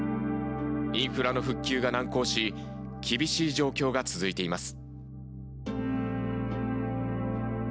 インフラの復旧が難航し厳しい状況が続いています。